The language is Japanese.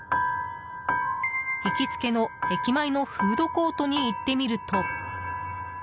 行きつけの駅前のフードコートに行ってみると。